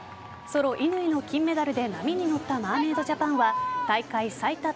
ソロ・乾の金メダルで波に乗ったマーメイドジャパンは大会最多